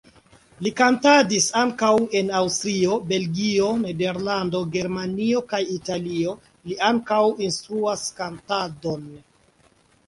Li kantadis ankaŭ en Aŭstrio, Belgio, Nederlando, Germanio kaj Italio, li ankaŭ instruas kantadon.